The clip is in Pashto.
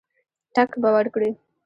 ټګ به ورکړي.